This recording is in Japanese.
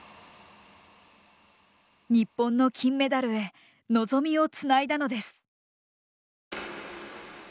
日本の金メダルへ望みをつないだのです。